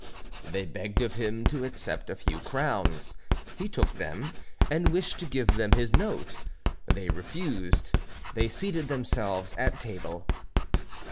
They begged of him to accept a few crowns. He took them, and wished to give them his note; they refused; they seated themselves at table.